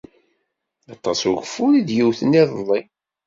Aṭas ugeffur i d-yewwten iḍelli.